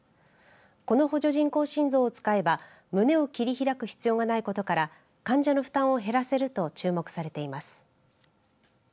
この補助人工心臓を使えば胸を切り開く必要がないことから患者の負担を減らせると注目されています。